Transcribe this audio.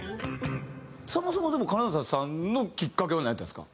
そもそもでも金澤さんのきっかけはなんやったんですか？